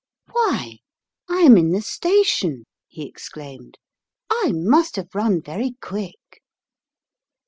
" Why, I am in the station !" he exclaimed. " I must have run very quick."